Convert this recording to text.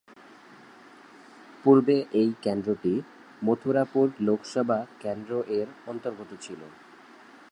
পূর্বে এই কেন্দ্রটি মথুরাপুর লোকসভা কেন্দ্র এর অন্তর্গত ছিল।